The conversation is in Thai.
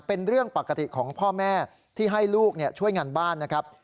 เป็นเรื่องปกติของพ่อแม่ที่ให้ลูกช่วยงานบ้านนะครับ